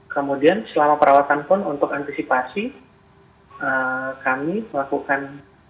kemudian selama perawatan pun untuk antisipasi kami melakukan